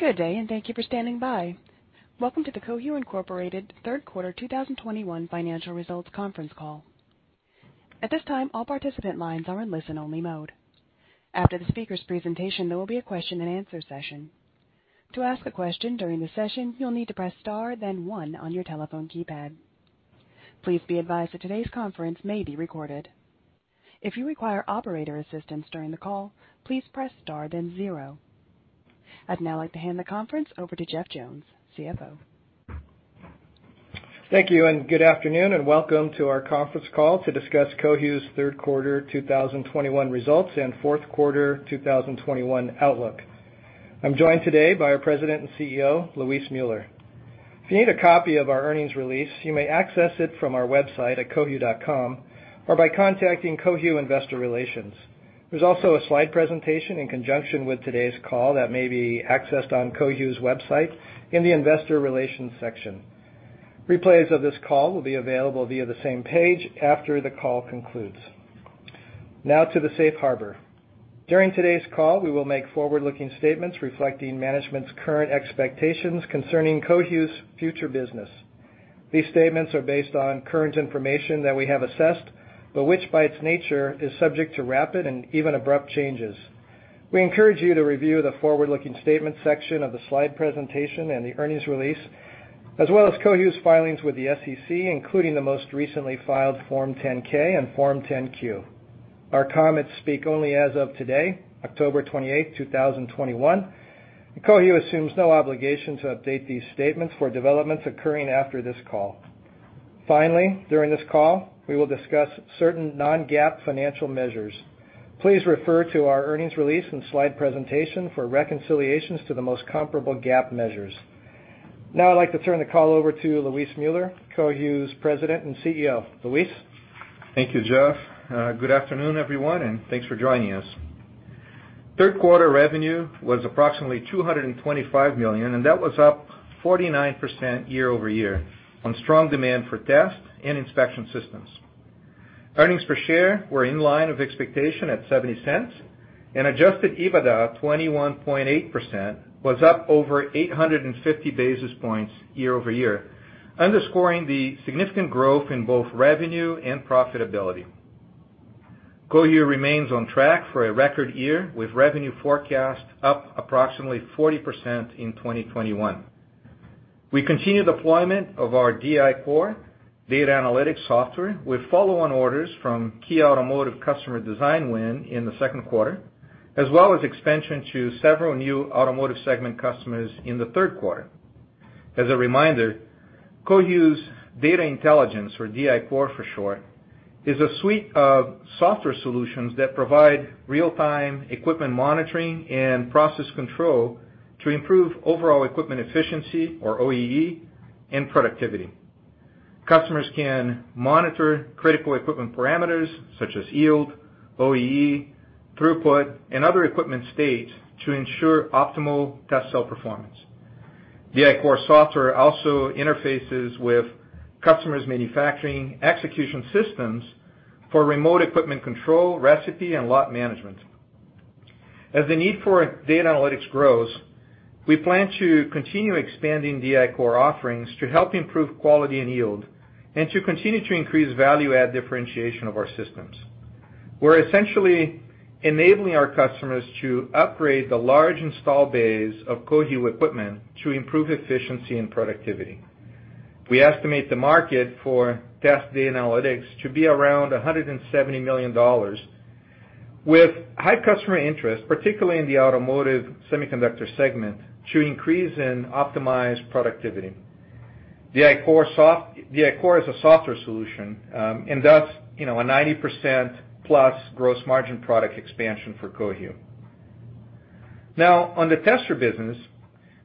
Good day, and thank you for standing by. Welcome to the Cohu, Inc. third quarter 2021 financial results conference call. At this time, all participant lines are in listen-only mode. After the speaker's presentation, there will be a question-and-answer session. To ask a question during the session, you'll need to press Star, then one on your telephone keypad. Please be advised that today's conference may be recorded. If you require operator assistance during the call, please press Star then zero. I'd now like to hand the conference over to Jeff Jones, CFO. Thank you, and good afternoon, and welcome to our conference call to discuss Cohu's third quarter 2021 results and fourth quarter 2021 outlook. I'm joined today by our President and CEO, Luis Müller. If you need a copy of our earnings release, you may access it from our website at cohu.com or by contacting Cohu Investor Relations. There's also a slide presentation in conjunction with today's call that may be accessed on Cohu's website in the Investor Relations section. Replays of this call will be available via the same page after the call concludes. Now to the Safe Harbor. During today's call, we will make forward-looking statements reflecting management's current expectations concerning Cohu's future business. These statements are based on current information that we have assessed, but which by its nature is subject to rapid and even abrupt changes. We encourage you to review the forward-looking statement section of the slide presentation and the earnings release, as well as Cohu's filings with the SEC, including the most recently filed Form 10-K and Form 10-Q. Our comments speak only as of today, October 28, 2021. Cohu assumes no obligation to update these statements for developments occurring after this call. Finally, during this call, we will discuss certain non-GAAP financial measures. Please refer to our earnings release and slide presentation for reconciliations to the most comparable GAAP measures. Now I'd like to turn the call over to Luis Müller, Cohu's President and CEO. Luis? Thank you, Jeff. Good afternoon, everyone, and thanks for joining us. Third quarter revenue was approximately $225 million, and that was up 49% year-over-year on strong demand for test and inspection systems. Earnings per share were in line of expectation at $0.70, and adjusted EBITDA at 21.8% was up over 850 basis points year-over-year, underscoring the significant growth in both revenue and profitability. Cohu remains on track for a record year with revenue forecast up approximately 40% in 2021. We continue deployment of our DI-Core data analytics software with follow-on orders from key automotive customer design win in the second quarter, as well as expansion to several new automotive segment customers in the third quarter. As a reminder, Cohu's Data Intelligence, or DI-Core for short, is a suite of software solutions that provide real-time equipment monitoring and process control to improve overall equipment efficiency, or OEE, and productivity. Customers can monitor critical equipment parameters such as yield, OEE, throughput, and other equipment states to ensure optimal test cell performance. DI-Core software also interfaces with customers' manufacturing execution systems for remote equipment control, recipe, and lot management. As the need for data analytics grows, we plan to continue expanding DI-Core offerings to help improve quality and yield and to continue to increase value-add differentiation of our systems. We're essentially enabling our customers to upgrade the large install base of Cohu equipment to improve efficiency and productivity. We estimate the market for test data analytics to be around $170 million with high customer interest, particularly in the automotive semiconductor segment, to increase and optimize productivity. DI-Core is a software solution, and thus, a 90%+ gross margin product expansion for Cohu. Now, on the tester business,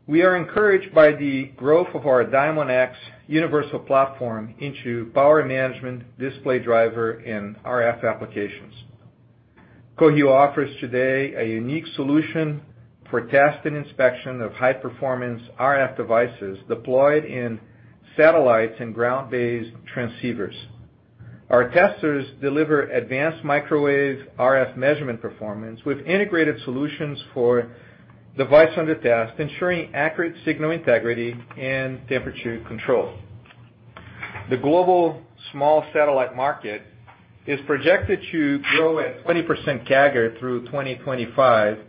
we are encouraged by the growth of our DiamondX universal platform into power management, display driver, and RF applications. Cohu offers today a unique solution for test and inspection of high-performance RF devices deployed in satellites and ground-based transceivers. Our testers deliver advanced microwave RF measurement performance with integrated solutions for device under test, ensuring accurate signal integrity and temperature control. The global small satellite market is projected to grow at 20% CAGR through 2025, and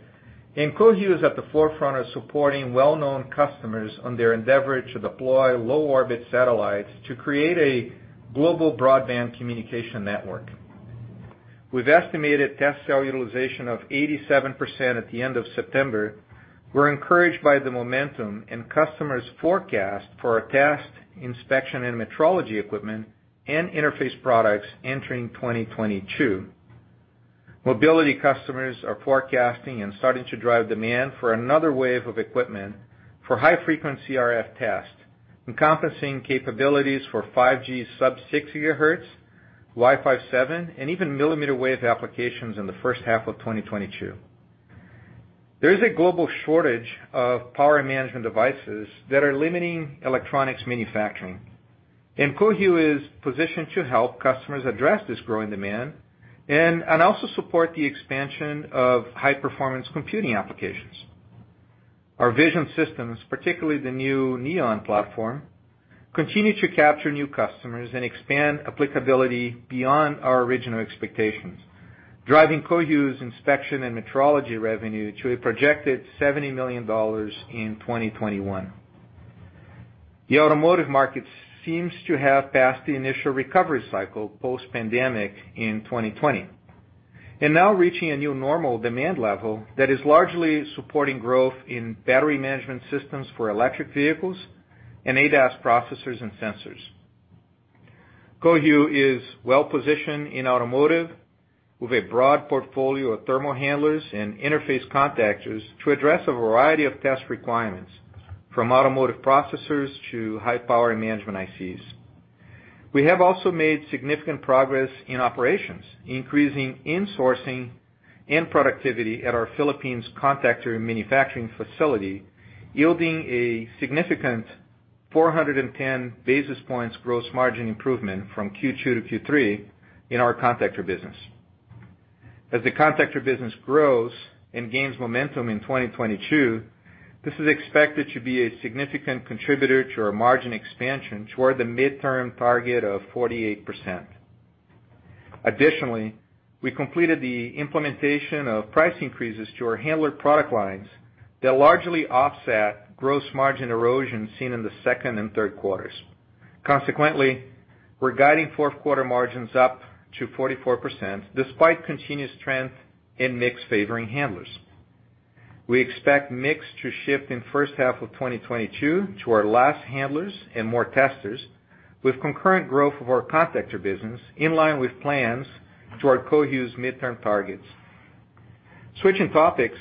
Cohu is at the forefront of supporting well-known customers on their endeavor to deploy low orbit satellites to create a global broadband communication network. With estimated test cell utilization of 87% at the end of September, we're encouraged by the momentum and customers' forecast for our test, inspection, and metrology equipment and interface products entering 2022. Mobility customers are forecasting and starting to drive demand for another wave of equipment for high-frequency RF tests, encompassing capabilities for 5G sub-six gigahertz, Wi-Fi 7, and even millimeter wave applications in the first half of 2022. There is a global shortage of power management devices that are limiting electronics manufacturing. Cohu is positioned to help customers address this growing demand and also support the expansion of high-performance computing applications. Our vision systems, particularly the new Neon platform, continue to capture new customers and expand applicability beyond our original expectations, driving Cohu's inspection and metrology revenue to a projected $70 million in 2021. The automotive market seems to have passed the initial recovery cycle post-pandemic in 2020, and now reaching a new normal demand level that is largely supporting growth in battery management systems for electric vehicles and ADAS processors and sensors. Cohu is well-positioned in automotive with a broad portfolio of thermal handlers and interface contactors to address a variety of test requirements, from automotive processors to high-power management ICs. We have also made significant progress in operations, increasing insourcing and productivity at our Philippines contactor manufacturing facility, yielding a significant 410 basis points gross margin improvement from Q2 to Q3 in our contactor business. As the contactor business grows and gains momentum in 2022, this is expected to be a significant contributor to our margin expansion toward the midterm target of 48%. Additionally, we completed the implementation of price increases to our handler product lines that largely offset gross margin erosion seen in the second and third quarters. Consequently, we're guiding fourth quarter margins up to 44% despite continuous trend in mix favoring handlers. We expect mix to shift in first half of 2022 to our last handlers and more testers with concurrent growth of our contactor business in line with plans to our Cohu's midterm targets. Switching topics,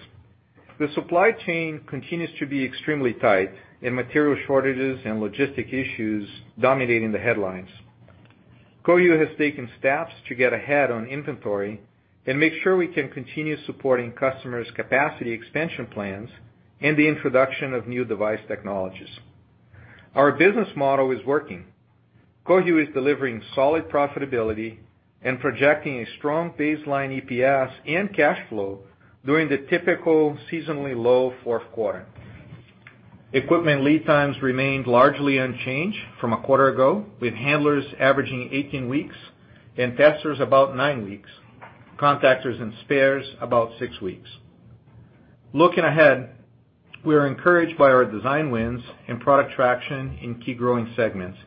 the supply chain continues to be extremely tight, and material shortages and logistic issues dominating the headlines. Cohu has taken steps to get ahead on inventory and make sure we can continue supporting customers' capacity expansion plans and the introduction of new device technologies. Our business model is working. Cohu is delivering solid profitability and projecting a strong baseline EPS and cash flow during the typical seasonally low fourth quarter. Equipment lead times remained largely unchanged from a quarter ago, with handlers averaging 18 weeks and testers about nine weeks, contactors and spares about six weeks. Looking ahead, we are encouraged by our design wins and product traction in key growing segments,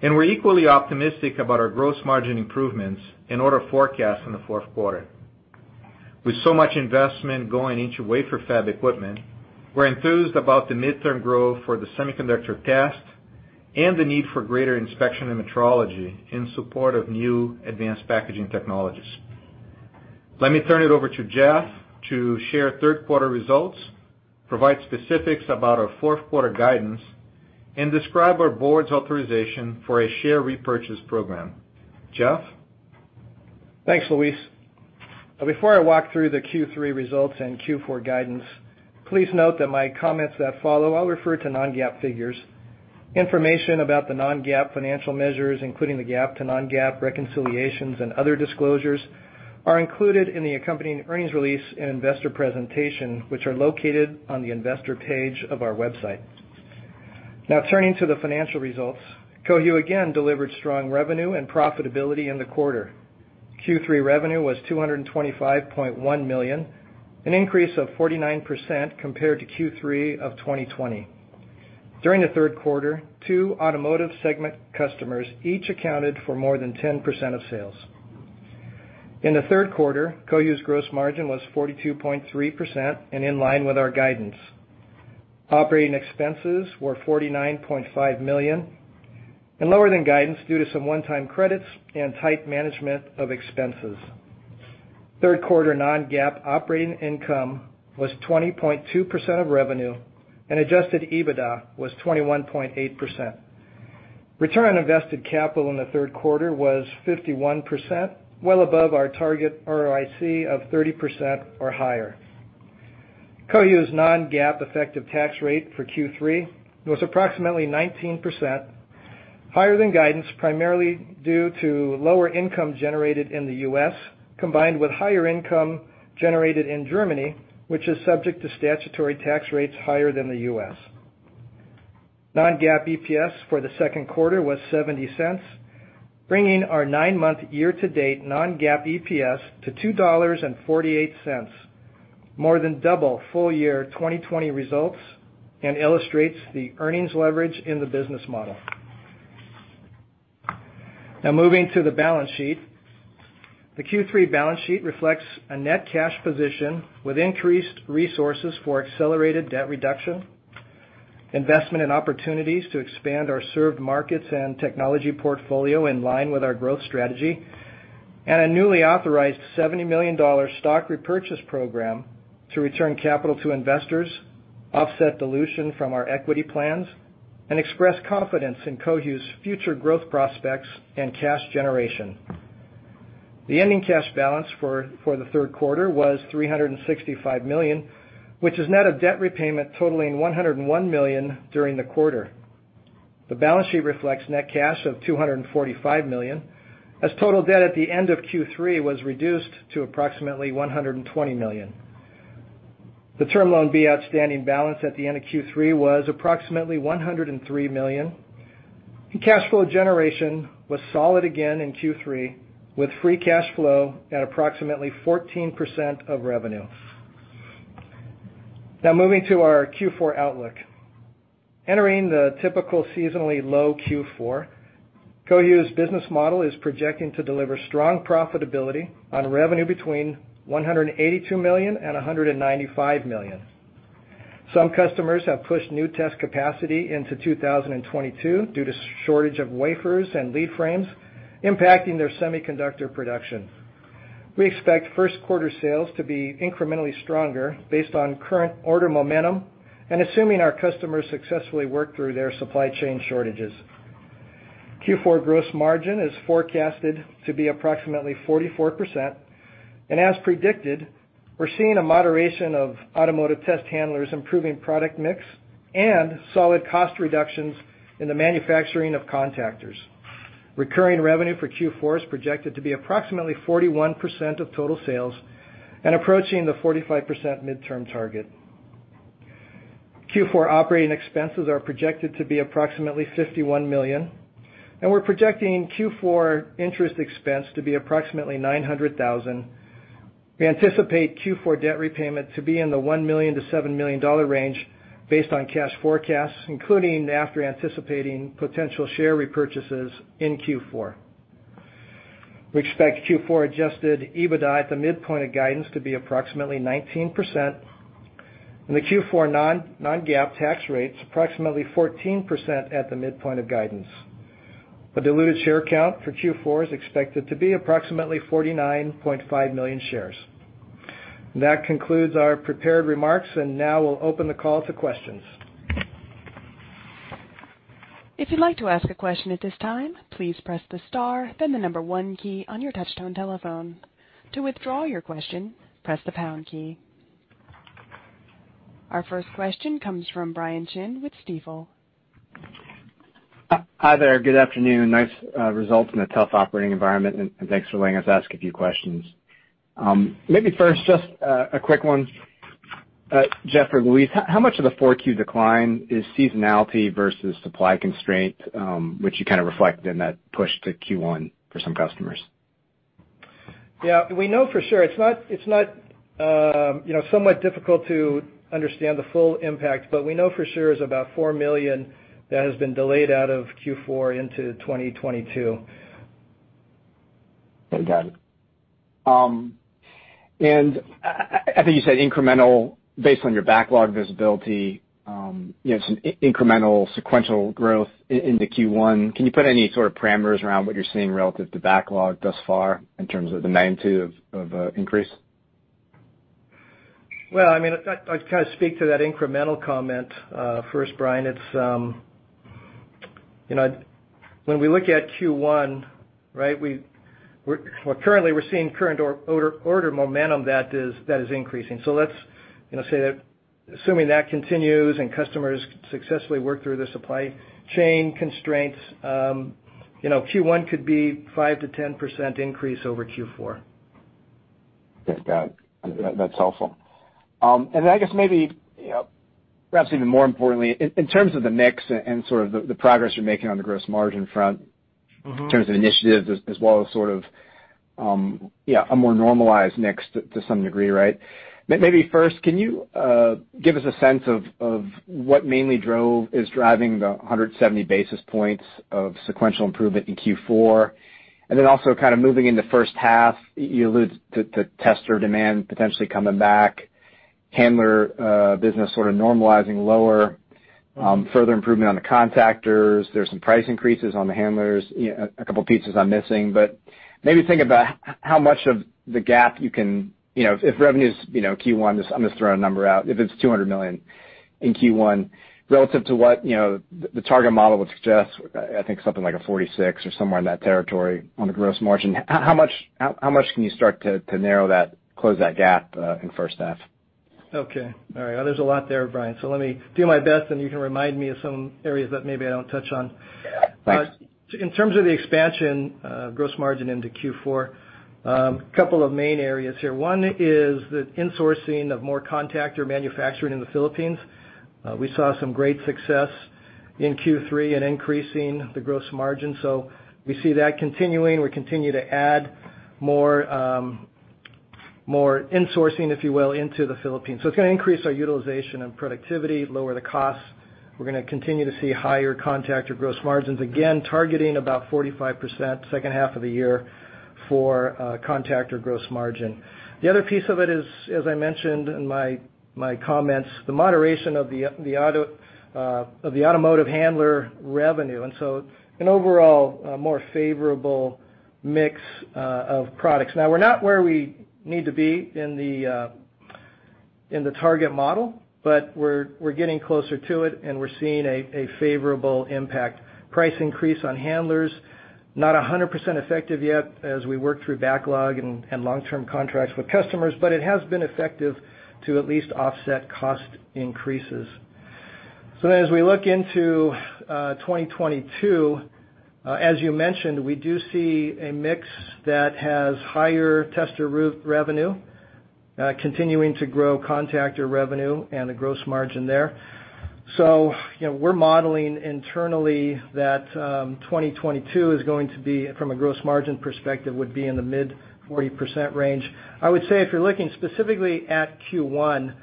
and we're equally optimistic about our gross margin improvements and order forecast in the fourth quarter. With so much investment going into wafer fab equipment, we're enthused about the midterm growth for the semiconductor test and the need for greater inspection and metrology in support of new advanced packaging technologies. Let me turn it over to Jeff to share third quarter results, provide specifics about our fourth quarter guidance, and describe our board's authorization for a share repurchase program. Jeff? Thanks, Luis. Before I walk through the Q3 results and Q4 guidance, please note that my comments that follow, I'll refer to non-GAAP figures. Information about the non-GAAP financial measures, including the GAAP to non-GAAP reconciliations and other disclosures, are included in the accompanying earnings release and investor presentation, which are located on the investor page of our website. Now turning to the financial results. Cohu again delivered strong revenue and profitability in the quarter. Q3 revenue was $225.1 million, a 49% increase compared to Q3 of 2020. During the third quarter, two automotive segment customers each accounted for more than 10% of sales. In the third quarter, Cohu's gross margin was 42.3% and in line with our guidance. Operating expenses were $49.5 million and lower than guidance due to some one-time credits and tight management of expenses. Third quarter non-GAAP operating income was 20.2% of revenue, and adjusted EBITDA was 21.8%. Return on invested capital in the third quarter was 51%, well above our target ROIC of 30% or higher. Cohu's non-GAAP effective tax rate for Q3 was approximately 19%, higher than guidance, primarily due to lower income generated in the U.S., combined with higher income generated in Germany, which is subject to statutory tax rates higher than the U.S. Non-GAAP EPS for the second quarter was $0.70, bringing our nine-month year-to-date non-GAAP EPS to $2.48, more than double full year 2020 results, and illustrates the earnings leverage in the business model. Now moving to the balance sheet. The Q3 balance sheet reflects a net cash position with increased resources for accelerated debt reduction, investment in opportunities to expand our served markets and technology portfolio in line with our growth strategy, and a newly authorized $70 million stock repurchase program to return capital to investors, offset dilution from our equity plans, and express confidence in Cohu's future growth prospects and cash generation. The ending cash balance for the third quarter was $365 million, which is net of debt repayment totaling $101 million during the quarter. The balance sheet reflects net cash of $245 million, as total debt at the end of Q3 was reduced to approximately $120 million. The Term Loan B outstanding balance at the end of Q3 was approximately $103 million. Cash flow generation was solid again in Q3, with free cash flow at approximately 14% of revenue. Now moving to our Q4 outlook. Entering the typical seasonally low Q4, Cohu's business model is projecting to deliver strong profitability on revenue between $182 million-$195 million. Some customers have pushed new test capacity into 2022 due to shortage of wafers and lead frames impacting their semiconductor production. We expect first quarter sales to be incrementally stronger based on current order momentum and assuming our customers successfully work through their supply chain shortages. Q4 gross margin is forecasted to be approximately 44%. As predicted, we're seeing a moderation of automotive test handlers improving product mix and solid cost reductions in the manufacturing of contactors. Recurring revenue for Q4 is projected to be approximately 41% of total sales and approaching the 45% midterm target. Q4 operating expenses are projected to be approximately $51 million, and we're projecting Q4 interest expense to be approximately $900,000. We anticipate Q4 debt repayment to be in the $1 million-$7 million range based on cash forecasts, including after anticipating potential share repurchases in Q4. We expect Q4 adjusted EBITDA at the midpoint of guidance to be approximately 19%, and the Q4 non-GAAP tax rates approximately 14% at the midpoint of guidance. The diluted share count for Q4 is expected to be approximately 49.5 million shares. That concludes our prepared remarks, and now we'll open the call to questions. Our first question comes from Brian Chin with Stifel. Hi there. Good afternoon. Nice results in a tough operating environment, and thanks for letting us ask a few questions. Maybe first, just a quick one, Jeff or Luis. How much of the 4Q decline is seasonality versus supply constraints, which you kind of reflected in that push to Q1 for some customers? Yeah, we know for sure it's not. You know, it's somewhat difficult to understand the full impact, but we know for sure it's about $4 million that has been delayed out of Q4 into 2022. Okay, got it. I think you said incremental based on your backlog visibility, you know, some incremental sequential growth into Q1. Can you put any sort of parameters around what you're seeing relative to backlog thus far in terms of the magnitude of increase? Well, I mean, I'd kind of speak to that incremental comment first, Brian. It's you know, when we look at Q1, right, we're currently seeing current order momentum that is increasing. Let's you know, say that assuming that continues and customers successfully work through the supply chain constraints, you know, Q1 could be 5%-10% increase over Q4. Yes. Got it. That's helpful. Then I guess maybe, you know, perhaps even more importantly, in terms of the mix and sort of the progress you're making on the gross margin front. Mm-hmm. in terms of initiatives as well as sort of, a more normalized mix to some degree, right? Maybe first, can you give us a sense of what mainly is driving the 170 basis points of sequential improvement in Q4? Also kind of moving into first half, you allude to tester demand potentially coming back, handler business sort of normalizing lower, further improvement on the contactors. There's some price increases on the handlers, you know, a couple pieces I'm missing. Maybe think about how much of the gap you can, you know, if revenues, you know, Q1, just, I'm gonna throw a number out, if it's $200 million in Q1 relative to what, you know, the target model would suggest, I think something like 46% or somewhere in that territory on the gross margin. How much, how much can you start to narrow that, close that gap in first half? Okay. All right. There's a lot there, Brian, so let me do my best, and you can remind me of some areas that maybe I don't touch on. Yeah. Thanks. In terms of the expansion, gross margin into Q4, couple of main areas here. One is the insourcing of more contactor manufacturing in the Philippines. We saw some great success in Q3 in increasing the gross margin, so we see that continuing. We continue to add more insourcing, if you will, into the Philippines. It's gonna increase our utilization and productivity, lower the costs. We're gonna continue to see higher contactor gross margins, again, targeting about 45% second half of the year for contactor gross margin. The other piece of it is, as I mentioned in my comments, the moderation of the automotive handler revenue, and so an overall more favorable mix of products. Now, we're not where we need to be in the target model, but we're getting closer to it, and we're seeing a favorable impact. Price increase on handlers, not 100% effective yet as we work through backlog and long-term contracts with customers, but it has been effective to at least offset cost increases. As we look into 2022, as you mentioned, we do see a mix that has higher tester revenue, continuing to grow contactor revenue and the gross margin there. You know, we're modeling internally that 2022 is going to be, from a gross margin perspective, would be in the mid-40% range. I would say if you're looking specifically at Q1,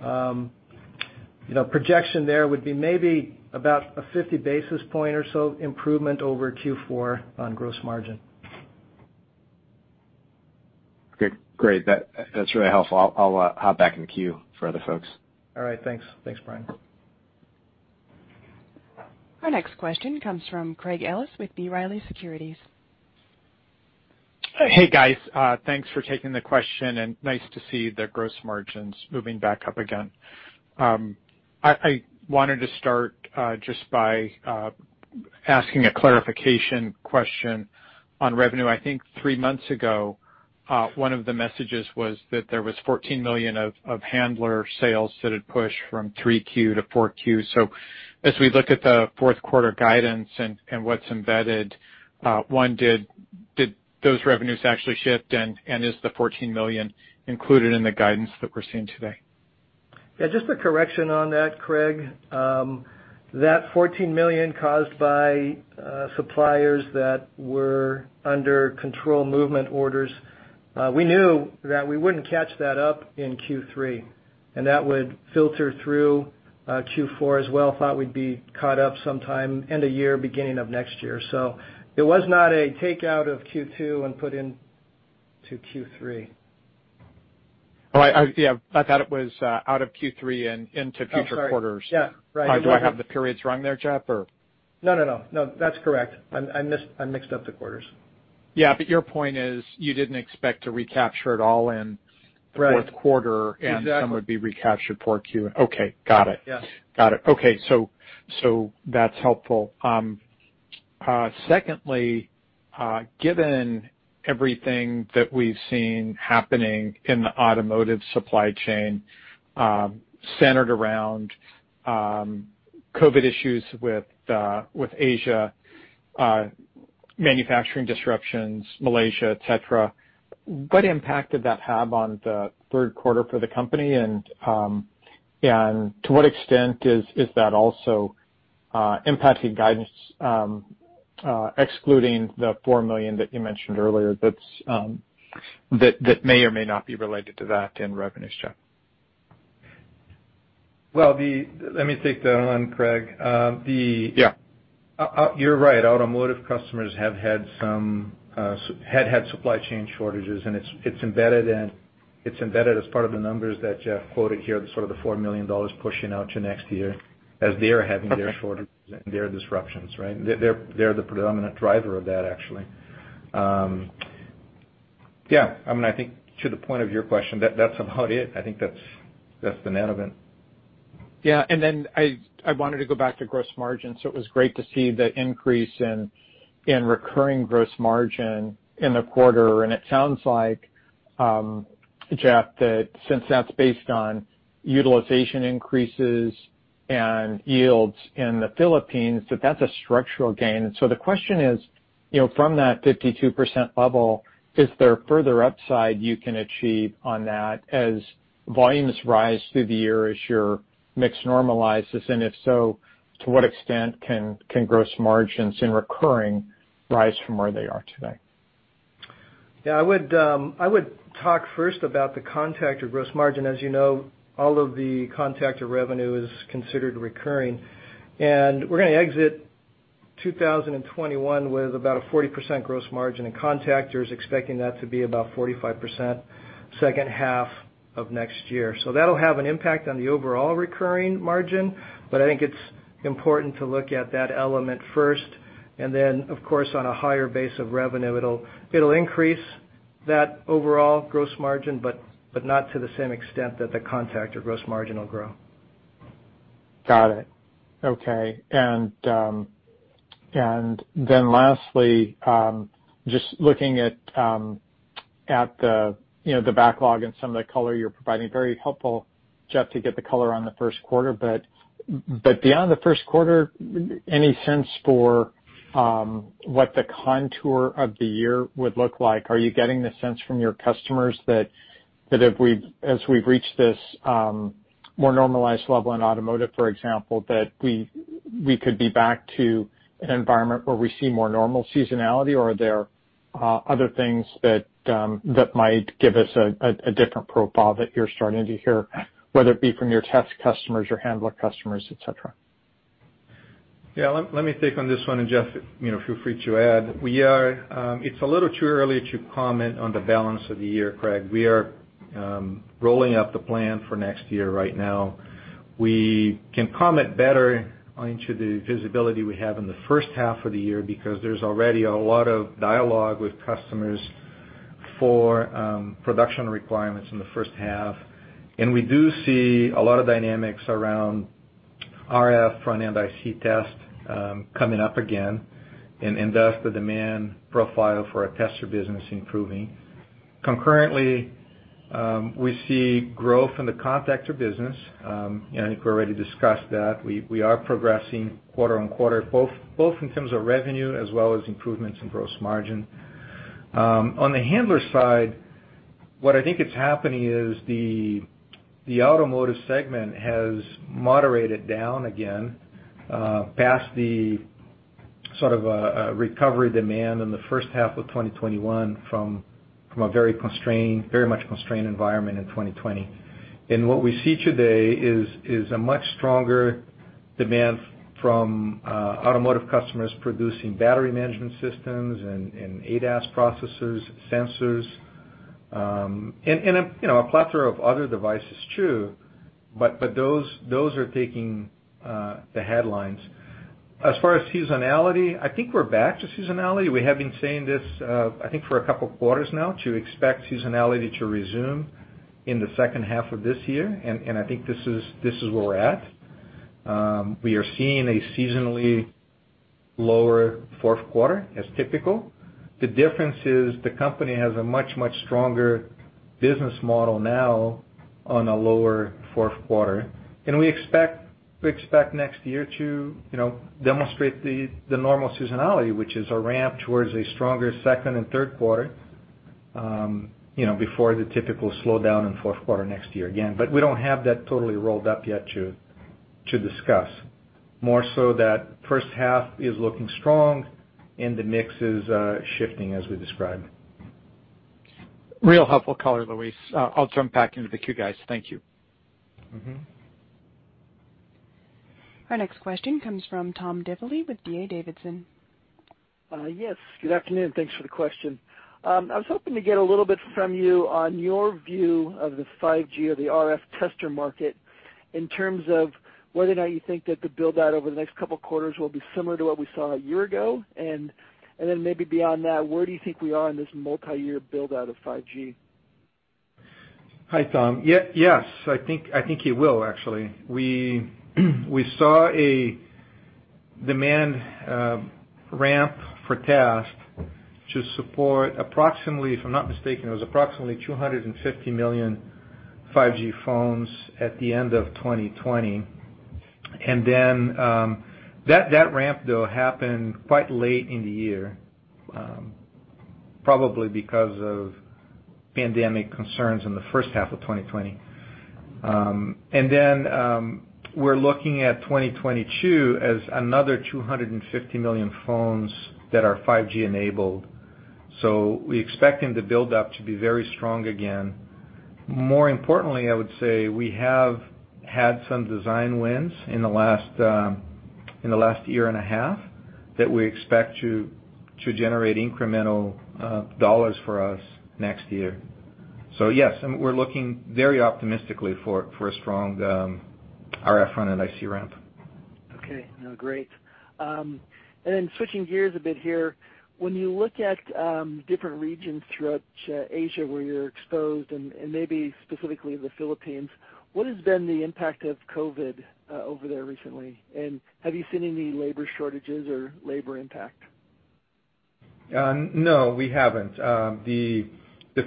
you know, projection there would be maybe about a 50 basis point or so improvement over Q4 on gross margin. Great. That's really helpful. I'll hop back in queue for other folks. All right, thanks. Thanks, Brian. Our next question comes from Craig Ellis with B. Riley Securities. Hey, guys. Thanks for taking the question and nice to see the gross margins moving back up again. I wanted to start just by asking a clarification question on revenue. I think three months ago, one of the messages was that there was $14 million of handler sales that had pushed from 3Q to 4Q. As we look at the fourth quarter guidance and what's embedded, did those revenues actually shift, and is the $14 million included in the guidance that we're seeing today? Just a correction on that, Craig. That $14 million caused by suppliers that were under control movement orders, we knew that we wouldn't catch that up in Q3, and that would filter through Q4 as well. Thought we'd be caught up sometime end of year, beginning of next year. It was not a take out of Q2 and put into Q3. Oh, yeah, I thought it was out of Q3 and into future quarters. Oh, sorry. Yeah. Right. Do I have the periods wrong there, Jeff, or? No, no. No, that's correct. I mixed up the quarters. Yeah, your point is you didn't expect to recapture it all in- Right The fourth quarter- Exactly. Some would be recaptured 4Q. Okay. Got it. Yes. Got it. Okay. That's helpful. Secondly, given everything that we've seen happening in the automotive supply chain, centered around COVID issues with with Asia manufacturing disruptions, Malaysia, etc, what impact did that have on the third quarter for the company? To what extent is that also impacting guidance, excluding the $4 million that you mentioned earlier that's that may or may not be related to that in revenues, Jeff? Well, let me take that on, Craig. Yeah. You're right. Automotive customers have had some had supply chain shortages, and it's embedded as part of the numbers that Jeff quoted here, sort of the $4 million pushing out to next year as they're having their shortages and their disruptions, right? They're the predominant driver of that, actually. Yeah. I mean, I think to the point of your question, that's about it. I think that's the net of it. Yeah. I wanted to go back to gross margin. It was great to see the increase in recurring gross margin in the quarter. It sounds like, Jeff, that since that's based on utilization increases and yields in the Philippines, that's a structural gain. The question is, you know, from that 52% level, is there further upside you can achieve on that as volumes rise through the year as your mix normalizes? If so, to what extent can gross margins in recurring rise from where they are today? Yeah. I would talk first about the contactor gross margin. As you know, all of the contactor revenue is considered recurring. We're gonna exit 2021 with about a 40% gross margin in contactors, expecting that to be about 45% second half of next year. That'll have an impact on the overall recurring margin, but I think it's important to look at that element first. Then, of course, on a higher base of revenue, it'll increase that overall gross margin, but not to the same extent that the contactor gross margin will grow. Got it. Okay. Then lastly, just looking at the, you know, the backlog and some of the color you're providing, very helpful, Jeff, to get the color on the first quarter. Beyond the first quarter, any sense for what the contour of the year would look like? Are you getting the sense from your customers that as we've reached this more normalized level in automotive, for example, that we could be back to an environment where we see more normal seasonality, or are there other things that might give us a different profile that you're starting to hear, whether it be from your test customers, your handler customers, etc? Yeah. Let me take on this one, and Jeff, you know, feel free to add. We are, it's a little too early to comment on the balance of the year, Craig. We are rolling out the plan for next year right now. We can comment better into the visibility we have in the first half of the year because there's already a lot of dialogue with customers for production requirements in the first half. We do see a lot of dynamics around RF front-end IC test coming up again, and thus the demand profile for our tester business improving. Concurrently, we see growth in the contactor business. I think we already discussed that. We are progressing quarter on quarter, both in terms of revenue as well as improvements in gross margin. On the handler side, what I think it's happening is the automotive segment has moderated down again, past the sort of recovery demand in the first half of 2021 from a very constrained, very much constrained environment in 2020. What we see today is a much stronger demand from automotive customers producing battery management systems and ADAS processors, sensors, and you know, a plethora of other devices too. Those are taking the headlines. As far as seasonality, I think we're back to seasonality. We have been saying this, I think for a couple of quarters now to expect seasonality to resume in the second half of this year. I think this is where we're at. We are seeing a seasonally lower fourth quarter as typical. The difference is the company has a much stronger business model now on a lower fourth quarter. We expect next year to, you know, demonstrate the normal seasonality, which is a ramp towards a stronger second and third quarter, you know, before the typical slowdown in fourth quarter next year again. We don't have that totally rolled up yet to discuss. More so that first half is looking strong, and the mix is shifting as we described. Really helpful color, Luis. I'll jump back into the queue, guys. Thank you. Mm-hmm. Our next question comes from Tom Diffely with D.A. Davidson. Yes. Good afternoon, thanks for the question. I was hoping to get a little bit from you on your view of the 5G or the RF tester market in terms of whether or not you think that the build-out over the next couple of quarters will be similar to what we saw a year ago. Maybe beyond that, where do you think we are in this multiyear build-out of 5G? Hi, Tom. Yes, I think you will, actually. We saw a demand ramp for test to support approximately, if I'm not mistaken, it was approximately 250 million 5G phones at the end of 2020. Then, that ramp, though, happened quite late in the year, probably because of pandemic concerns in the first half of 2020. We're looking at 2022 as another 250 million phones that are 5G enabled. We're expecting the build-up to be very strong again. More importantly, I would say we have had some design wins in the last year and a half that we expect to generate incremental dollars for us next year. Yes, and we're looking very optimistically for a strong RF front-end IC ramp. Okay. No, great. Switching gears a bit here, when you look at different regions throughout Asia where you're exposed and maybe specifically the Philippines, what has been the impact of COVID over there recently? Have you seen any labor shortages or labor impact? No, we haven't. The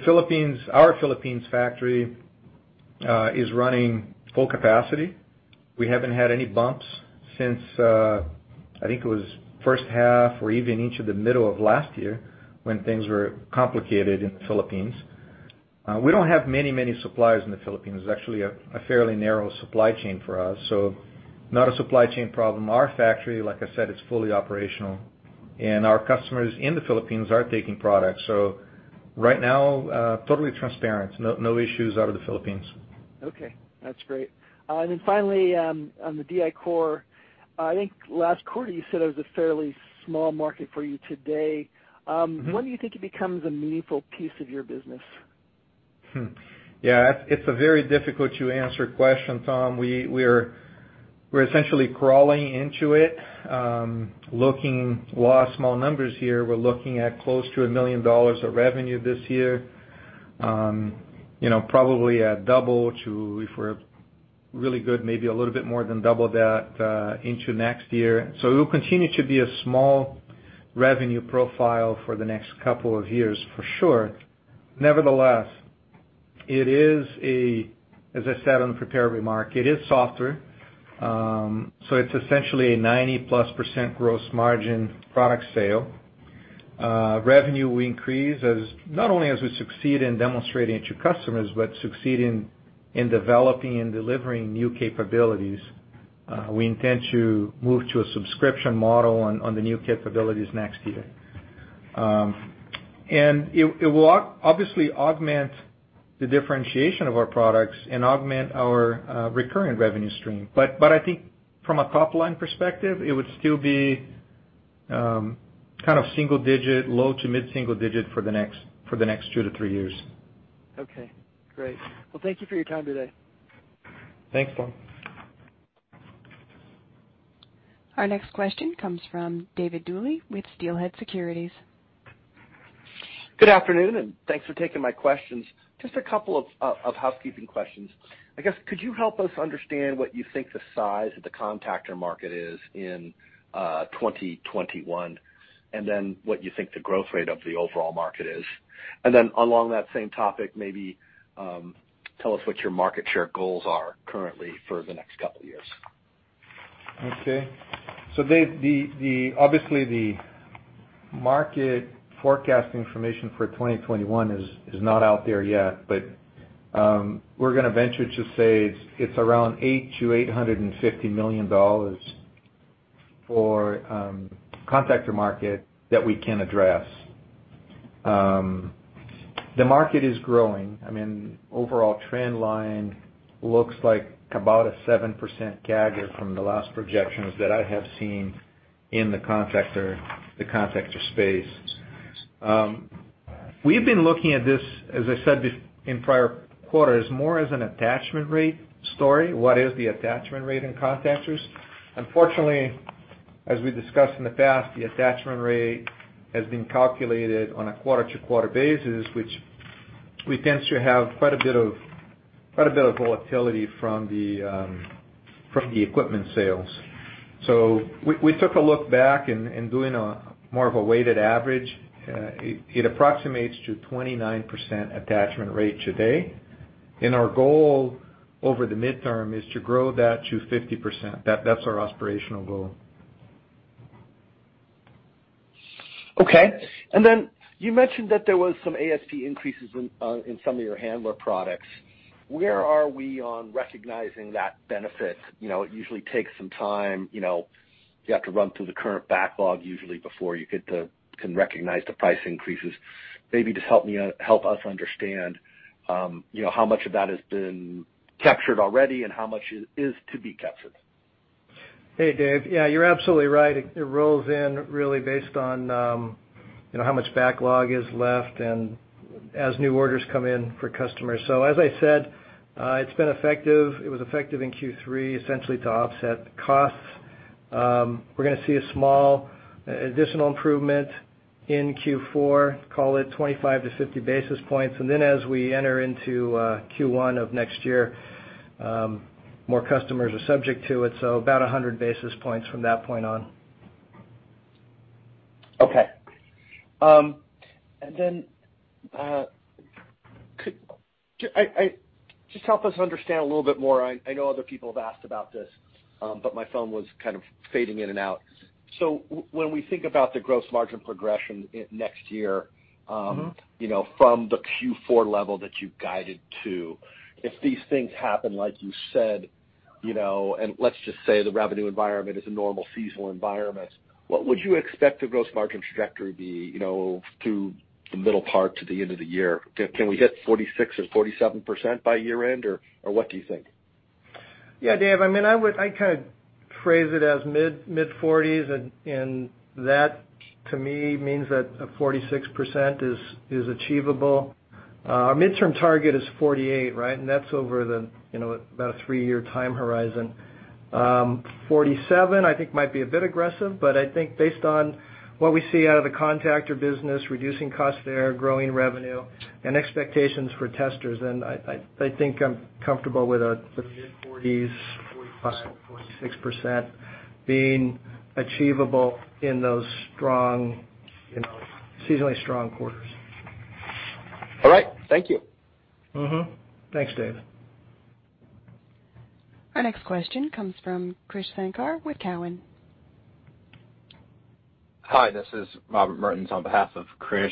Philippines, our Philippines factory, is running full capacity. We haven't had any bumps since, I think it was first half or even into the middle of last year when things were complicated in the Philippines. We don't have many suppliers in the Philippines. It's actually a fairly narrow supply chain for us, so not a supply chain problem. Our factory, like I said, it's fully operational, and our customers in the Philippines are taking products. Right now, totally transparent. No issues out of the Philippines. Okay, that's great. Finally, on the DI-Core, I think last quarter you said it was a fairly small market for you today. Mm-hmm. When do you think it becomes a meaningful piece of your business? Yeah, it's a very difficult to answer question, Tom. We're essentially crawling into it. Looking at raw, small numbers here, we're looking at close to $1 million of revenue this year. You know, probably a double to, if we're really good, maybe a little bit more than double that, into next year. It will continue to be a small revenue profile for the next couple of years, for sure. Nevertheless, it is a, as I said on the prepared remark, it is software, so it's essentially a 90% gross margin product sale. Revenue will increase as, not only as we succeed in demonstrating it to customers, but succeed in developing and delivering new capabilities. We intend to move to a subscription model on the new capabilities next year. It will obviously augment the differentiation of our products and augment our recurring revenue stream. I think from a top-line perspective, it would still be kind of single digit, low to mid single digit for the next two to three years. Okay, great. Well, thank you for your time today. Thanks, Tom. Our next question comes from David Duley with Steelhead Securities. Good afternoon, and thanks for taking my questions. Just a couple of housekeeping questions. I guess could you help us understand what you think the size of the contactor market is in 2021, and then what you think the growth rate of the overall market is? Along that same topic, maybe tell us what your market share goals are currently for the next couple of years. Okay. Dave, obviously the market forecast information for 2021 is not out there yet, but we're gonna venture to say it's around $800 million-$850 million for the contactor market that we can address. The market is growing. I mean, overall trend line looks like about a 7% CAGR from the last projections that I have seen in the contactor space. We've been looking at this, as I said in prior quarters, more as an attachment rate story. What is the attachment rate in contactors? Unfortunately, as we discussed in the past, the attachment rate has been calculated on a quarter-to-quarter basis, which we tend to have quite a bit of volatility from the equipment sales. We took a look back and doing a more of a weighted average, it approximates to 29% attachment rate today. Our goal over the midterm is to grow that to 50%. That's our aspirational goal. Okay. You mentioned that there was some ASP increases in some of your handler products. Where are we on recognizing that benefit? You know, it usually takes some time, you know. You have to run through the current backlog usually before you can recognize the price increases. Maybe just help us understand, you know, how much of that has been captured already and how much is to be captured. Hey, Dave. Yeah, you're absolutely right. It rolls in really based on, you know, how much backlog is left and as new orders come in for customers. As I said, it's been effective. It was effective in Q3, essentially to offset costs. We're gonna see a small additional improvement in Q4, call it 25 basis points to 50 basis points. Then as we enter into Q1 of next year, more customers are subject to it, so about 100 basis points from that point on. Okay. Could I just help us understand a little bit more. I know other people have asked about this, but my phone was kind of fading in and out. When we think about the gross margin progression next year- Mm-hmm. You know, from the Q4 level that you guided to, if these things happen, like you said, you know, and let's just say the revenue environment is a normal seasonal environment, what would you expect the gross margin trajectory be, you know, through the middle part to the end of the year? Can we hit 46% or 47% by year end or what do you think? Yeah, Dave, I mean, I would kind of phrase it as mid-40s, and that to me means that a 46% is achievable. Our midterm target is 48%, right? That's over the you know about a three-year time horizon. 47%, I think might be a bit aggressive, but I think based on what we see out of the contactor business, reducing costs there, growing revenue and expectations for testers, then I think I'm comfortable with the mid-40s, 45, 46% being achievable in those strong you know seasonally strong quarters. All right. Thank you. Mm-hmm. Thanks, Dave. Our next question comes from Krish Sankar with Cowen. Hi, this is Robert Mertens on behalf of Krish.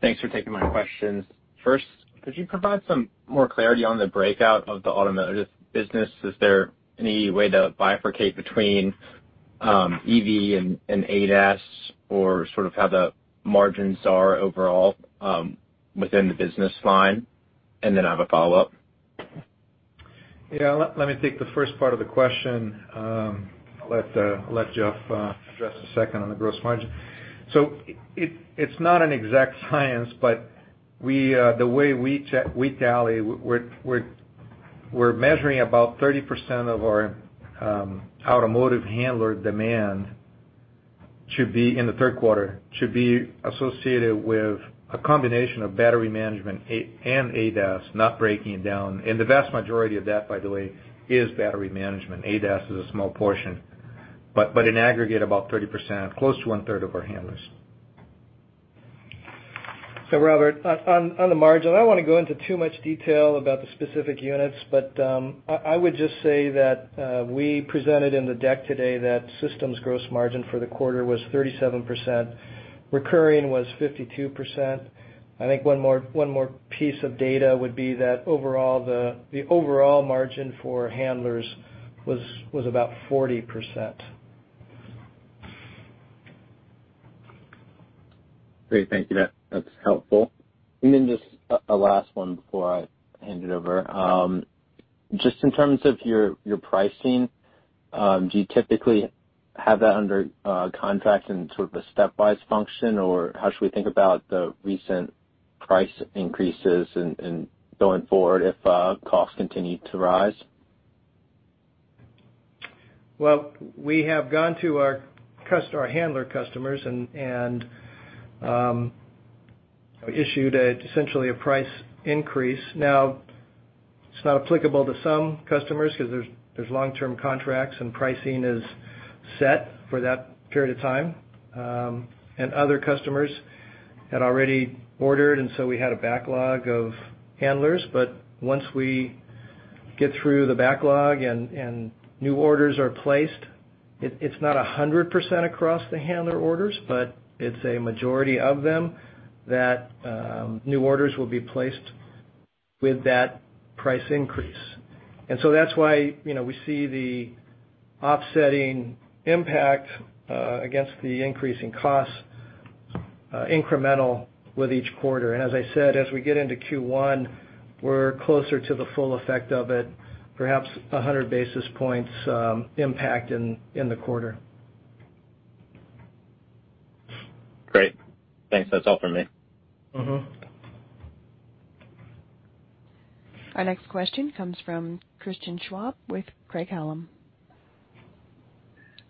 Thanks for taking my questions. First, could you provide some more clarity on the breakout of the automotive business? Is there any way to bifurcate between EV and ADAS or sort of how the margins are overall within the business line? I have a follow-up. Yeah. Let me take the first part of the question. I'll let Jeff address the second on the gross margin. It's not an exact science, but the way we check, we tally, we're measuring about 30% of our automotive handler demand to be in the third quarter, to be associated with a combination of battery management and ADAS, not breaking it down. The vast majority of that, by the way, is battery management. ADAS is a small portion, but in aggregate, about 30%, close to one-third of our handlers. Robert, on the margin, I don't wanna go into too much detail about the specific units, but I would just say that we presented in the deck today that systems gross margin for the quarter was 37%. Recurring was 52%. I think one more piece of data would be that overall the overall margin for handlers was about 40%. Great. Thank you. That, that's helpful. Then just a last one before I hand it over. Just in terms of your pricing, do you typically have that under contract in sort of a step-wise function, or how should we think about the recent price increases and going forward if costs continue to rise? Well, we have gone to our handler customers and issued essentially a price increase. Now, it's not applicable to some customers because there's long-term contracts and pricing is set for that period of time. Other customers had already ordered, and so we had a backlog of handlers. But once we get through the backlog and new orders are placed, it's not 100% across the handler orders, but it's a majority of them that new orders will be placed with that price increase. That's why, you know, we see the offsetting impact against the increase in costs, incremental with each quarter. As I said, as we get into Q1, we're closer to the full effect of it, perhaps 100 basis points impact in the quarter. Great. Thanks. That's all for me. Mm-hmm. Our next question comes from Christian Schwab with Craig-Hallum.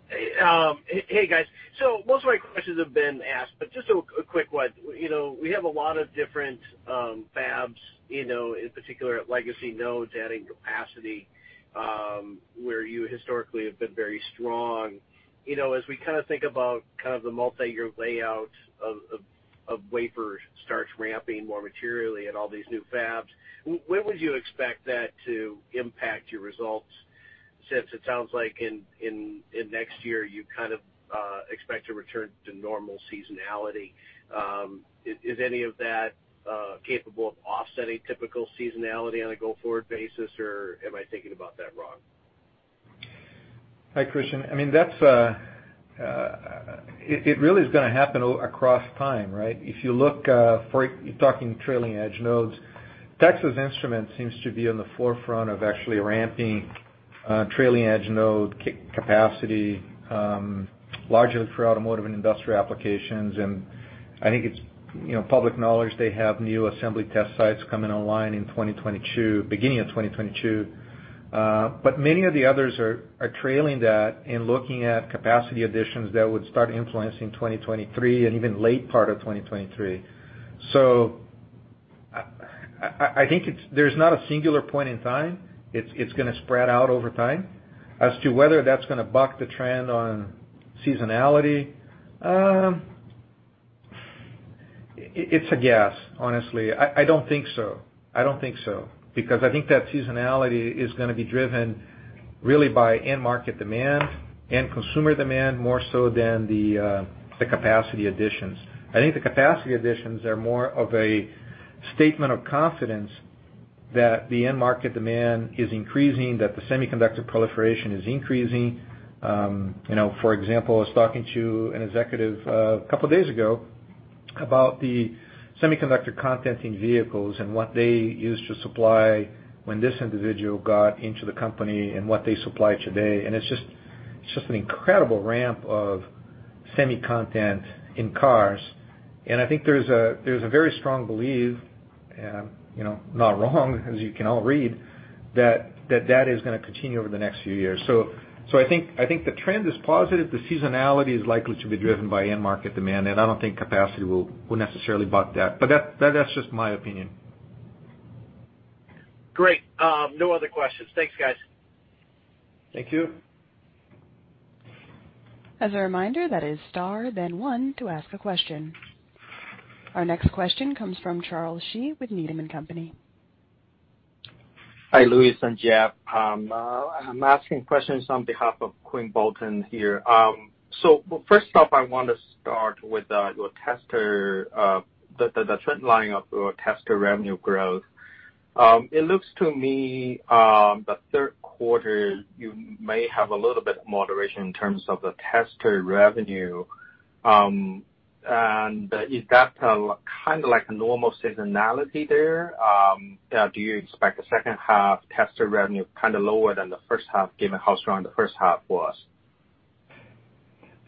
Hey, guys. Most of my questions have been asked, but just a quick one. You know, we have a lot of different fabs, you know, in particular at legacy nodes adding capacity, where you historically have been very strong. You know, as we kind of think about kind of the multi-year layout of wafers starts ramping more materially at all these new fabs, when would you expect that to impact your results since it sounds like in next year you kind of expect to return to normal seasonality? Is any of that capable of offsetting typical seasonality on a go-forward basis, or am I thinking about that wrong? Hi, Christian. I mean, that's it really is gonna happen across time, right? If you look, you're talking trailing edge nodes, Texas Instruments seems to be on the forefront of actually ramping trailing edge node capacity, largely for automotive and industrial applications. I think it's, you know, public knowledge they have new assembly test sites coming online in 2022, beginning of 2022. Many of the others are trailing that in looking at capacity additions that would start influencing 2023 and even late part of 2023. I think there's not a singular point in time. It's gonna spread out over time. As to whether that's gonna buck the trend on seasonality, it's a guess, honestly. I don't think so. I don't think so because I think that seasonality is gonna be driven really by end market demand, end consumer demand, more so than the capacity additions. I think the capacity additions are more of a statement of confidence that the end market demand is increasing, that the semiconductor proliferation is increasing. You know, for example, I was talking to an executive a couple days ago about the semiconductor content in vehicles and what they used to supply when this individual got into the company and what they supply today, and it's just an incredible ramp of semi-content in cars. I think there's a very strong belief, you know, not wrong, as you can all read, that that is gonna continue over the next few years. I think the trend is positive. The seasonality is likely to be driven by end market demand, and I don't think capacity will necessarily buck that. That's just my opinion. Great. No other questions. Thanks, guys. Thank you. As a reminder, that is star then one to ask a question. Our next question comes from Charles Shi with Needham & Company. Hi, Luis and Jeff. I'm asking questions on behalf of Quinn Bolton here. First off, I want to start with your tester, the trend line of your tester revenue growth. It looks to me the third quarter you may have a little bit of moderation in terms of the tester revenue. Is that kind of like a normal seasonality there? Do you expect the second half tester revenue kind of lower than the first half given how strong the first half was?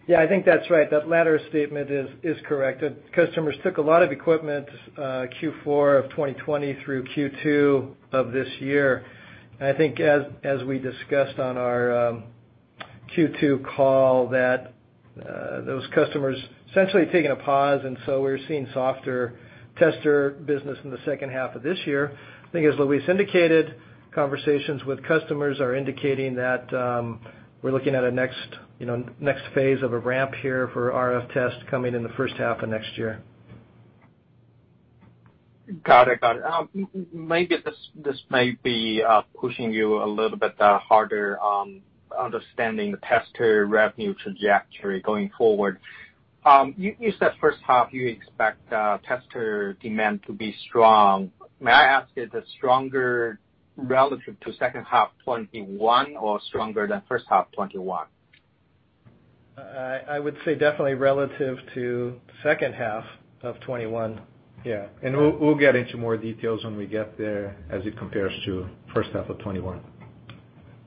Yeah, I think that's right. That latter statement is correct. Customers took a lot of equipment Q4 of 2020 through Q2 of this year. I think as we discussed on our Q2 call that those customers essentially taking a pause, and so we're seeing softer tester business in the second half of this year. I think as Luis indicated, conversations with customers are indicating that we're looking at a next phase of a ramp here for RF test coming in the first half of next year. Got it. Maybe this may be pushing you a little bit harder on understanding the tester revenue trajectory going forward. You said first half you expect tester demand to be strong. May I ask, is it stronger relative to second half 2021 or stronger than first half 2021? I would say definitely relative to second half of 2021. Yeah. We'll get into more details when we get there as it compares to first half of 2021. Yeah,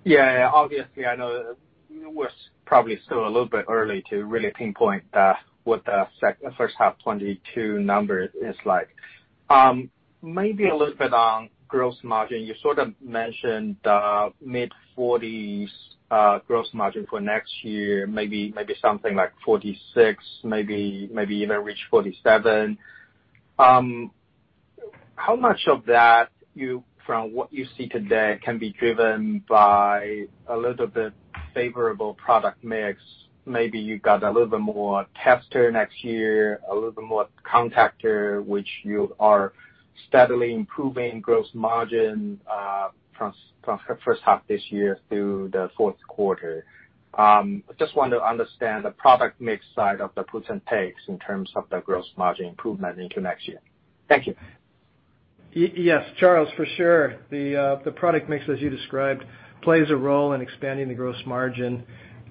yeah. Obviously, I know it was probably still a little bit early to really pinpoint what the first half 2022 number is like. Maybe a little bit on gross margin. You sort of mentioned mid-40s% gross margin for next year, maybe something like 46%, maybe even reach 47%. How much of that, from what you see today, can be driven by a little bit favorable product mix? Maybe you got a little bit more tester next year, a little bit more contactor, which you are steadily improving gross margin from first half this year through the fourth quarter. Just want to understand the product mix side of the puts and takes in terms of the gross margin improvement into next year. Thank you. Yes, Charles, for sure. The product mix, as you described, plays a role in expanding the gross margin.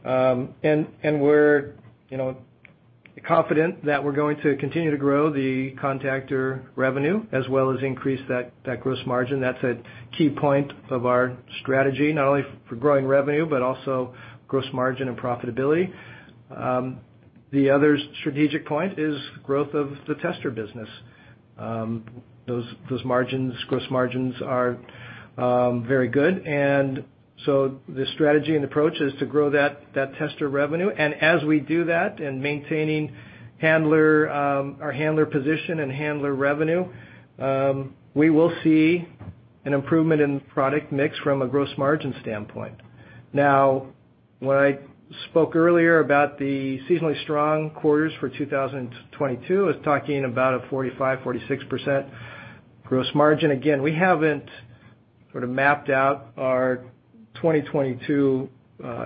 We're, you know, confident that we're going to continue to grow the contactor revenue as well as increase that gross margin. That's a key point of our strategy, not only for growing revenue, but also gross margin and profitability. The other strategic point is growth of the tester business. Those gross margins are very good. The strategy and approach is to grow that tester revenue. As we do that and maintaining handler, our handler position and handler revenue, we will see an improvement in product mix from a gross margin standpoint. Now, when I spoke earlier about the seasonally strong quarters for 2022, I was talking about a 45%-46% gross margin. Again, we haven't sort of mapped out our 2022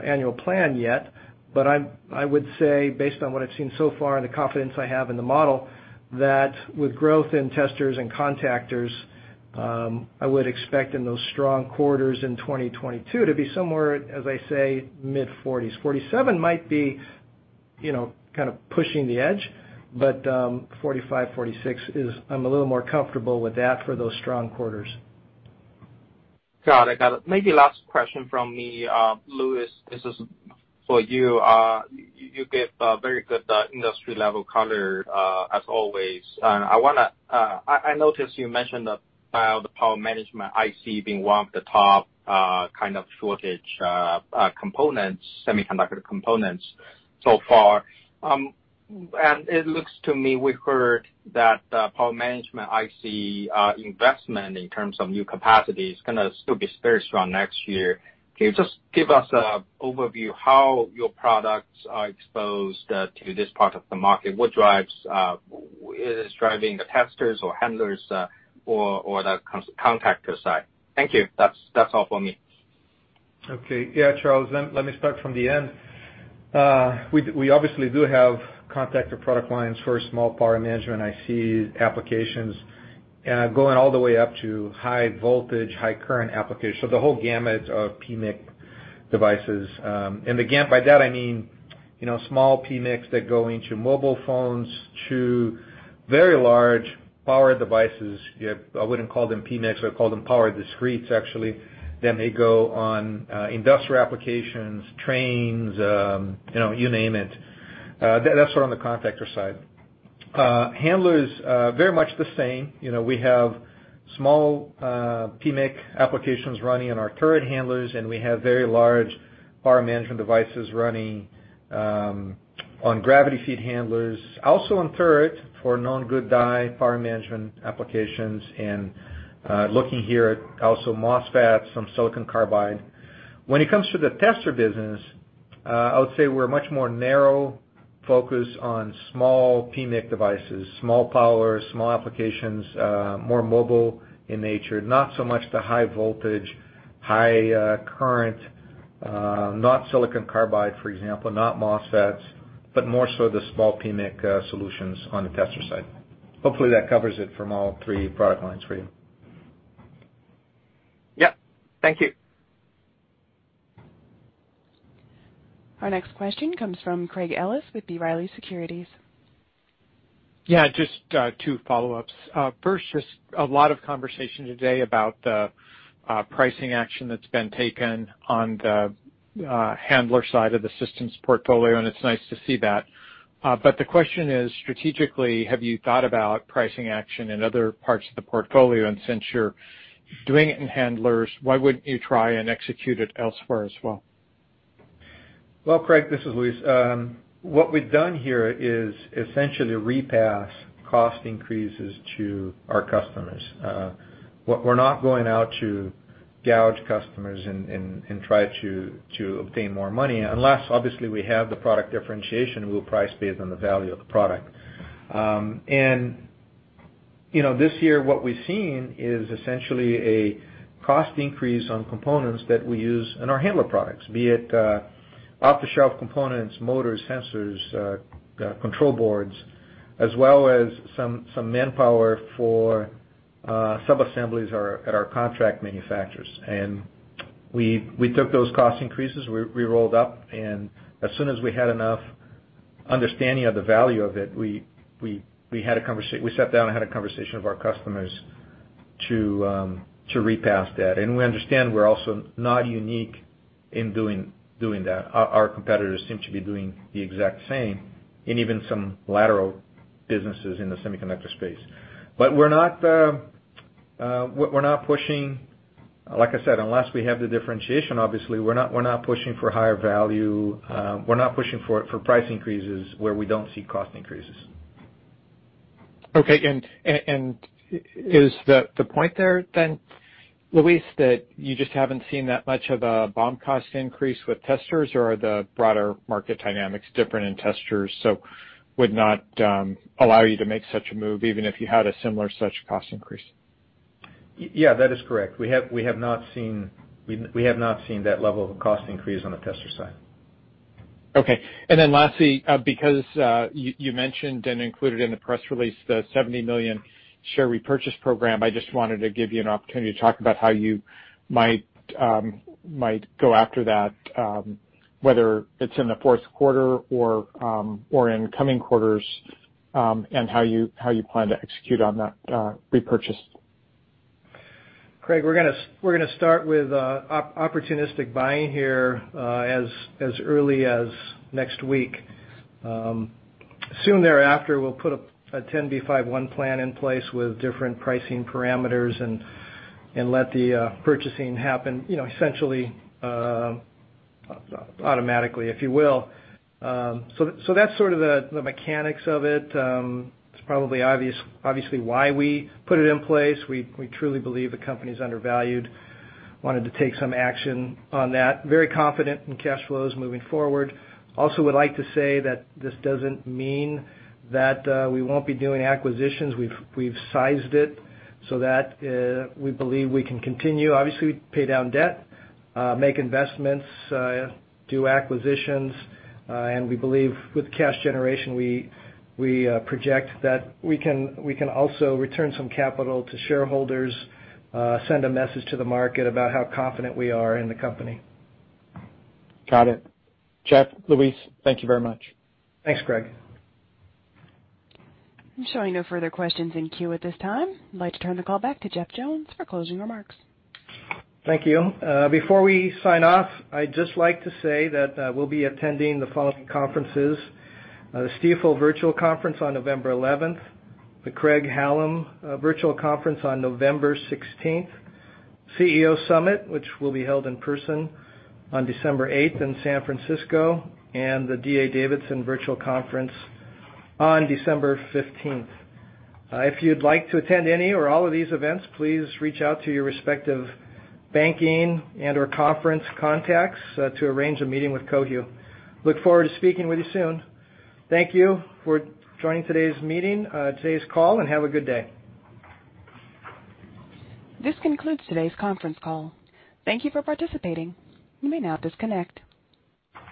annual plan yet, but I would say, based on what I've seen so far and the confidence I have in the model, that with growth in testers and contactors, I would expect in those strong quarters in 2022 to be somewhere, as I say, mid-40s. 47% might be, you know, kind of pushing the edge, but, 45%-46% is. I'm a little more comfortable with that for those strong quarters. Got it. Maybe last question from me. Luis, this is for you. You gave a very good industry level color, as always. I wanna, I noticed you mentioned the power management IC being one of the top kind of shortage components, semiconductor components so far. It looks to me, we heard that power management IC investment in terms of new capacity is gonna still be very strong next year. Can you just give us an overview how your products are exposed to this part of the market? What is driving the testers or handlers or the contactors side? Thank you. That's all for me. Okay. Yeah, Charles, let me start from the end. We obviously do have contactor product lines for small power management IC applications, going all the way up to high voltage, high current applications. The whole gamut of PMIC devices. Again, by that I mean, you know, small PMICs that go into mobile phones to very large power devices. I wouldn't call them PMICs. I would call them power discretes, actually, that may go on industrial applications, trains, you know, you name it. That's sort of on the contactor side. Handlers very much the same. You know, we have small, PMIC applications running on our turret handlers, and we have very large power management devices running, on gravity feed handlers, also on turret for non-good die power management applications, and, looking here at also MOSFETs, some silicon carbide. When it comes to the tester business, I would say we're much more narrow focused on small PMIC devices, small power, small applications, more mobile in nature, not so much the high voltage, high, current, not silicon carbide, for example, not MOSFETs, but more so the small PMIC, solutions on the tester side. Hopefully that covers it from all three product lines for you. Yep. Thank you. Our next question comes from Craig Ellis with B. Riley Securities. Yeah, just, two follow-ups. First, just a lot of conversation today about the pricing action that's been taken on the handler side of the systems portfolio, and it's nice to see that. The question is, strategically, have you thought about pricing action in other parts of the portfolio? Since you're doing it in handlers, why wouldn't you try and execute it elsewhere as well? Well, Craig, this is Luis. What we've done here is essentially repass cost increases to our customers. What we're not going out to gouge customers and try to obtain more money, unless obviously we have the product differentiation, we'll price based on the value of the product. You know, this year, what we've seen is essentially a cost increase on components that we use in our handler products, be it off-the-shelf components, motors, sensors, control boards, as well as some manpower for subassemblies are at our contract manufacturers, and we took those cost increases. We rolled up, and as soon as we had enough understanding of the value of it, we had a conversation with our customers to repass that. We understand we're also not unique in doing that. Our competitors seem to be doing the exact same in even some lateral businesses in the semiconductor space. But we're not pushing for higher value unless we have the differentiation, obviously. Like I said, we're not pushing for price increases where we don't see cost increases. Okay. Is the point there then, Luis, that you just haven't seen that much of a BOM cost increase with testers, or are the broader market dynamics different in testers, so would not allow you to make such a move even if you had a similar such cost increase? Yeah, that is correct. We have not seen that level of cost increase on the tester side. Okay. Lastly, because you mentioned and included in the press release the $70 million share repurchase program, I just wanted to give you an opportunity to talk about how you might go after that, whether it's in the fourth quarter or in coming quarters, and how you plan to execute on that repurchase. Craig, we're gonna start with opportunistic buying here as early as next week. Soon thereafter, we'll put a 10b5-1 plan in place with different pricing parameters and let the purchasing happen you know essentially automatically, if you will. So that's sort of the mechanics of it. It's probably obvious why we put it in place. We truly believe the company is undervalued, wanted to take some action on that. Very confident in cash flows moving forward. Also would like to say that this doesn't mean that we won't be doing acquisitions. We've sized it so that we believe we can continue, obviously, to pay down debt, make investments, do acquisitions, and we believe with cash generation, we project that we can also return some capital to shareholders, send a message to the market about how confident we are in the company. Got it. Jeff, Luis, thank you very much. Thanks, Craig. I'm showing no further questions in queue at this time. I'd like to turn the call back to Jeff Jones for closing remarks. Thank you. Before we sign off, I'd just like to say that we'll be attending the following conferences: the Stifel Virtual Conference on November 11, the Craig-Hallum Virtual Conference on November 16, CEO Summit, which will be held in person on December 8 in San Francisco, and the D.A. Davidson Virtual Conference on December 15. If you'd like to attend any or all of these events, please reach out to your respective banking and/or conference contacts to arrange a meeting with Cohu. Look forward to speaking with you soon. Thank you for joining today's call, and have a good day. This concludes today's conference call. Thank you for participating. You may now disconnect.